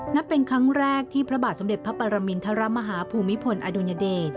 นับเป็นครั้งแรกที่พระบาทสมเด็จพระปรมินทรมาฮาภูมิพลอดุญเดช